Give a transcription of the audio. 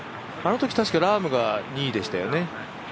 あのとき確かラームが２位でしたよね。